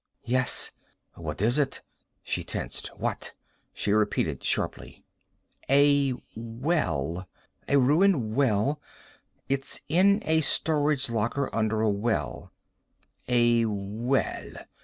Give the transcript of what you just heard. "Yes." "What is it?" She tensed. "What?" she repeated sharply. "A well. A ruined well. It's in a storage locker under a well." "A well."